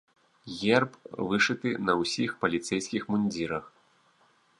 Герб вышыты на ўсіх паліцэйскіх мундзірах.